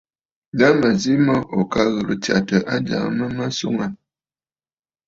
La mə̀ zi mə ò ka ghɨ̀rə tsyàtə ajàŋə mə mə̀ swòŋə aà.